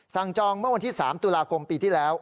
จองเมื่อวันที่๓ตุลาคมปีที่แล้ว